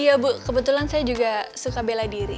iya bu kebetulan saya juga suka bela diri